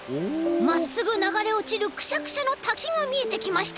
まっすぐながれおちるくしゃくしゃのたきがみえてきました。